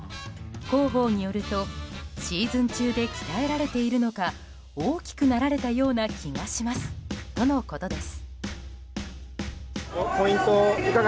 広報によるとシーズン中で鍛えられているのか大きくなられたような気がしますとのことです。